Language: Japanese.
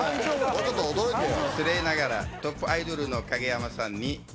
もうちょっと驚いてよ。